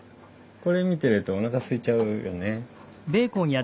これ見てるとおなかすいちゃうよね。